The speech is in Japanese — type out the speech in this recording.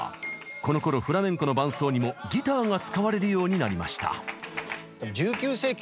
このころフラメンコの伴奏にもギターが使われるようになりました。